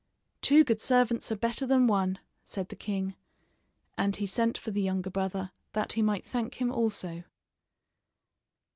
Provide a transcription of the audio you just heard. "Two good servants are better than one," said the king, and he sent for the younger brother that he might thank him also.